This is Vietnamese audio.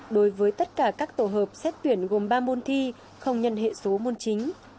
đối với tất cả các tổ hợp xét tuyển gồm ba môn thi không nhân hệ số môn chính